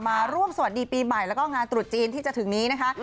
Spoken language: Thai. มาร่วมสวัสดีปีใหม่แล้วก็งานตรุษจีนที่จะถึงนี้นะคะ